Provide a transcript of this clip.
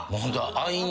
アイーン！